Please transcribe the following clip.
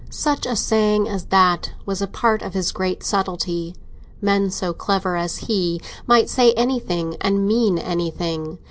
Such a saying as that was a part of his great subtlety—men so clever as he might say anything and mean anything.